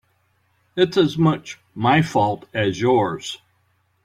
It's as much my fault as yours.